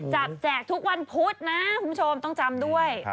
แจกทุกวันพุธนะคุณผู้ชมต้องจำด้วย